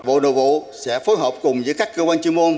bộ đồ vụ sẽ phối hợp cùng với các cơ quan chuyên môn